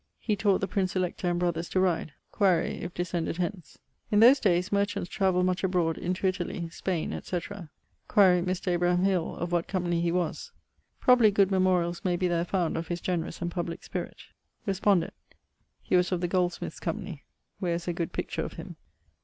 He taught the Prince Elector and brothers to ride. Quaere if descended hence. In those dayes merchants travelled much abroad into Italie, Spaine, etc. Quaere Mr. Abraham Hill of what company he was. Probably good memorialls may be there found of his generous and publique spirit. Respondet: He was of the Goldsmiths' Company, where is a good picture of him.